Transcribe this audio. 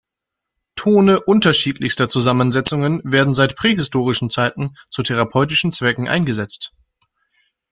Tone unterschiedlichster Zusammensetzungen werden seit prähistorischen Zeiten zu therapeutischen Zwecken eingesetzt.